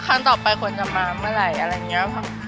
ครั้งต่อไปควรจะมาเมื่อไหร่อะไรอย่างนี้ค่ะ